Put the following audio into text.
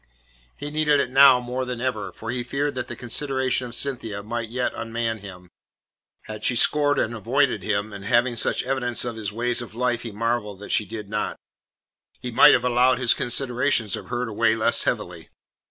He needed it now more than ever, for he feared that the consideration of Cynthia might yet unman him. Had she scorned and avoided him and having such evidences of his ways of life he marvelled that she did not he might have allowed his considerations of her to weigh less heavily.